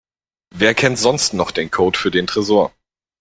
Wer kennt sonst noch den Code für den Tresor?